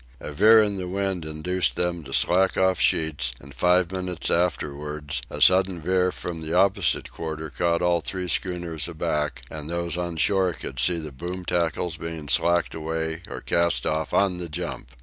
A veer in the wind induced them to slack off sheets, and five minutes afterward a sudden veer from the opposite quarter caught all three schooners aback, and those on shore could see the boom tackles being slacked away or cast off on the jump.